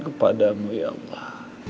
kepadamu ya allah